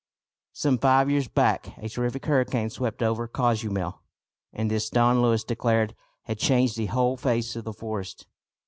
Some five years back a terrific hurricane swept over Cozumel, and this, Don Luis declared, had changed the whole face of the forest.